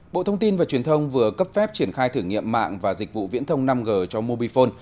bộ thông tin và truyền thông vừa cấp phép triển khai thử nghiệm mạng và dịch vụ viễn thông năm g cho mobifone